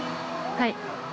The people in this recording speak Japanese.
はい。